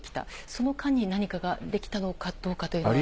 その間に何かができたのかどうかというのは。